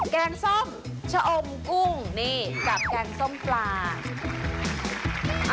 แกงซ่อมชะอมกุ้งกับแกงซ่อมปลา